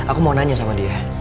aku mau nanya sama dia